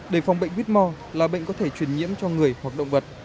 đề phòng bệnh huyết mò là bệnh có thể truyền nhiễm cho người hoặc động vật